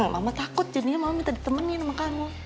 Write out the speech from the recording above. mama takut jadinya mama minta ditemenin sama kamu